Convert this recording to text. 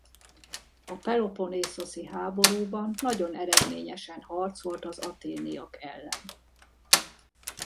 A peloponnészoszi háborúban nagyon eredményesen harcolt az athéniak ellen.